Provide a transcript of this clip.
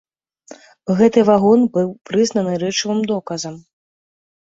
Гэты вагон быў прызнаны рэчавым доказам.